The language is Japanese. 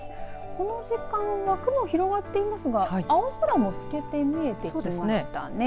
この時間は雲広がっていますが青空も透けて見えてきましたね。